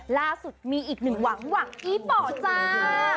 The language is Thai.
ล่าสุดมีอีกหนึ่งหวังหวังอีป่อจ้า